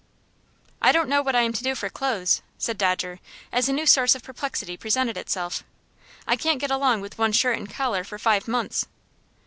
"I don't know what I am to do for clothes," said Dodger, as a new source of perplexity presented itself. "I can't get along with one shirt and collar for five months."